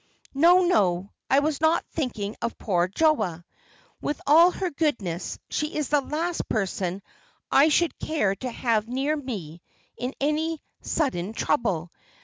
"No, no, I was not thinking of poor Joa. With all her goodness, she is the last person I should care to have near me in any sudden trouble.